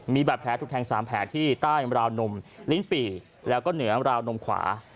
มีบาดแผลถูกแทง๓แผลที่ใต้ราวนมลิ้นปี่แล้วก็เหนือราวนมขวา